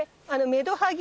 メドハギ。